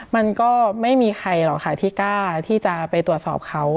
มันก็ไม่มีใครหรอกค่ะที่กล้าที่จะไปตรวจสอบเขา